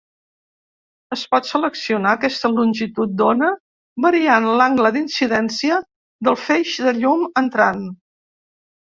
Es pot seleccionar aquesta longitud d'ona variant l'angle d'incidència del feix de llum entrant.